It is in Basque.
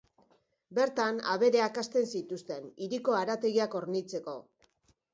Bertan abereak hazten zituzten hiriko harategiak hornitzeko.